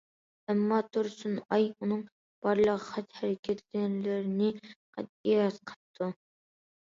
ئەمما تۇرسۇنئاي ئۇنىڭ بارلىق خەت ھەرىكەتلىرىنى قەتئىي رەت قىلىپتۇ.